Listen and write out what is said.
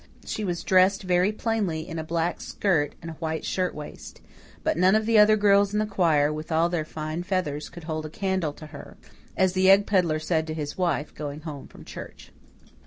She was dressed very plainly in a black skirt and a white shirtwaist; but none of the other girls in the choir, with all their fine feathers, could hold a candle to her as the egg pedlar said to his wife, going home from church.